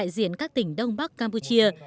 diễn các tỉnh đông bắc campuchia